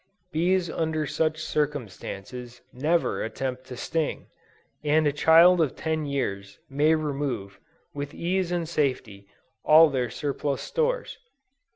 Bees under such circumstances, never attempt to sting, and a child of ten years, may remove, with ease and safety, all their surplus stores.